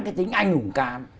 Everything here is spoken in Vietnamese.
cái tính anh hùng can